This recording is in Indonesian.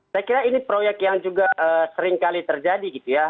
saya kira ini proyek yang juga seringkali terjadi gitu ya